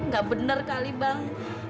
gak bener kali bang